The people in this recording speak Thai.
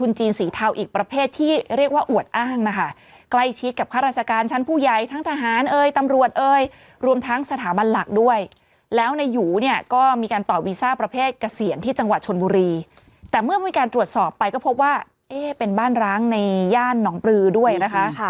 แล้วนายอยู่มีการตอบวีส่าประแพทย์เกษียณที่จังหวัดชนบุรีแต่เมื่อมีการตรวจสอบไปก็พบว่าเป็นบ้านร้างในย่านหนองปลือด้วยนะคะ